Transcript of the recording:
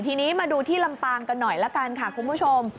ทีนี้มาดูที่ลำปามกันหน่อยคุณผู้ชม